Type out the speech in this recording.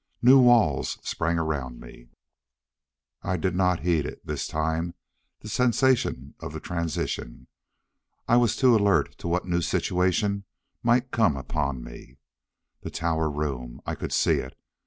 New walls sprang around me. I did not heed it, this time, the sensation, of the transition. I was too alert to what new situation might come upon me. The tower room. I could see it.